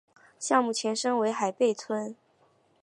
项目前身为海坝村。